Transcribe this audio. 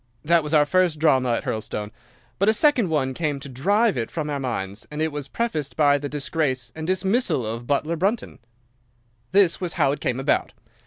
That was our first drama at Hurlstone; but a second one came to drive it from our minds, and it was prefaced by the disgrace and dismissal of butler Brunton. "'This was how it came about.